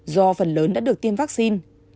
do phần lớn đã được tiêm vaccine